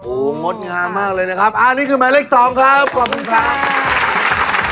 โอ้โหงดงามมากเลยนะครับอันนี้คือหมายเลขสองครับขอบคุณครับ